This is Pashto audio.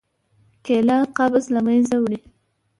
کېله قبض له منځه وړي.